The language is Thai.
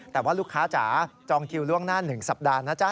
แต่ว่าลูกค้าจ๋าจองคิวล่วงหน้า๑สัปดาห์นะจ๊